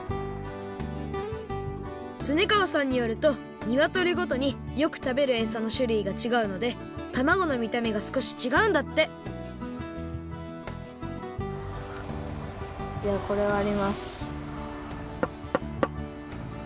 恒川さんによるとにわとりごとによくたべるえさのしゅるいがちがうのでたまごのみためがすこしちがうんだってではこれをわります。